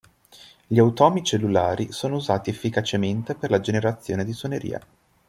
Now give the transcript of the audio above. Gli automi cellulari sono usati efficacemente per la generazione di suonerie.